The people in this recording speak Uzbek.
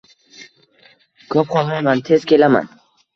Ko`p qolmayman, tez kelaman